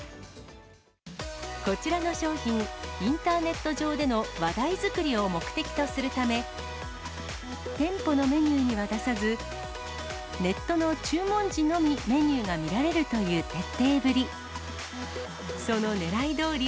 こちらの商品、インターネット上での話題作りを目的とするため、店舗のメニューには出さず、ネットの注文時のみメニューが見られるという徹底ぶり。